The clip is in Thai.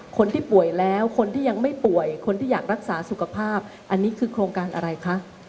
คนที่ป่วยแล้วคนที่ยังไม่ป่วยคนที่อยากรักษาสุขภาพอันนี้คือโครงการอะไรคะ